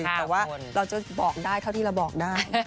แต่ว่าเราจะบอกได้เท่าที่เราบอกได้